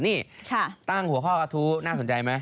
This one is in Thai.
นี่ตั้งหัวข้อกระทู้น่าสนใจไหม